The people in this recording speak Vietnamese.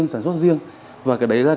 sản xuất riêng và cái đấy là